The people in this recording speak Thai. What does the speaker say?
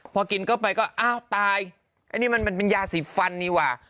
พอกินเข้าไปก็อ้าวตายอันนี้มันเป็นยาสีฟันดีกว่า